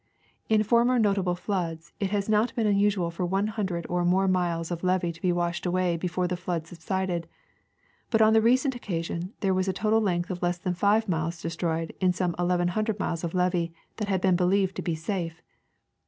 In former notable floods it has not been unusual for one hundred or more miles of levee to be washed away before the flood subsided, but on the recent occasion there was a total length of less than five miles destroyed in some 1,100 miles of levee that had been believed to be safe.